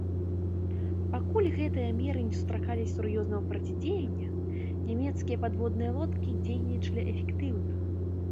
Пакуль гэтыя меры не сустракалі сур'ёзнага процідзеяння, нямецкія падводныя лодкі дзейнічалі эфектыўна.